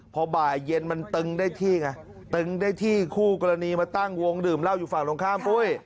พอบ่ายเย็นมันตึงได้ที่ไงตึงได้ที่คู่กรณีมาตั้งวงดื่มเหล้าอยู่ฝั่งตรงข้ามปุ้ย